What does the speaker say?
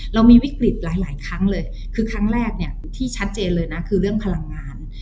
เรามีวิกฤตหลายครั้งเลยคือครั้งแรกเนี่ยที่ชัดเจนเลยนะคือเรื่องพลังงาน